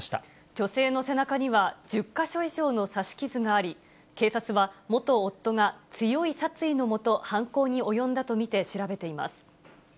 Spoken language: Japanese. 女性の背中には１０か所以上の刺し傷があり、警察は、元夫が強い殺意のもと、犯行に及んだと見て調べています。